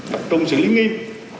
tập trung xử lý nghiêm